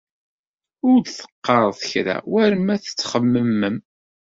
Ur d-teqqaṛet kra war ma txemmemem.